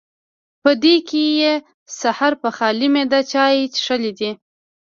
پۀ دې کښې يو سحر پۀ خالي معده چائے څښل دي